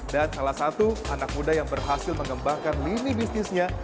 dan salah satu anak muda yang berhasil mengembangkan lini bisnisnya